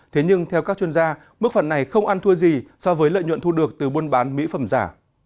thế nhưng theo các chuyên gia mức phạt này không ăn thua gì so với lợi nhuận thu được từ buôn bán mỹ phẩm giả